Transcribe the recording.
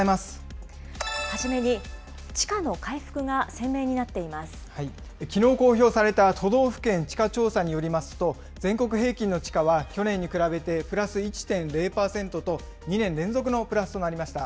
初めに、地価の回復が鮮明にきのう公表された都道府県地価調査によりますと、全国平均の地価は去年に比べてプラス１．０％と、２年連続のプラスとなりました。